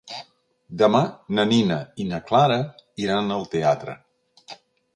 Demà na Nina i na Clara iran al teatre.